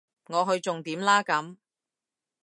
我去重點啦咁